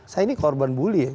saya ini korban buli